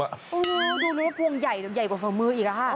อู๋ดูนึงว่าพวงใหญ่กว่าฝ่ามื้ออีกค่ะ